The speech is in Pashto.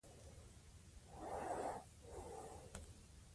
دی د حقایقو بیان ته دوام ورکوي.